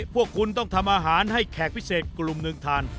พวกคุณต้องทำอาหารให้แขกพิเศษกลุ่มหนึ่งทาน